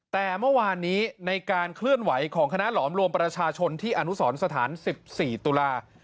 แต่เมื่อวานนี้ในการเคลื่อนไหวของคณะหลอมรวมประชาชนที่อนุสรสถาน๑๔ตุลา